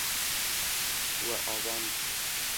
We avand.